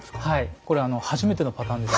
これ初めてのパターンです。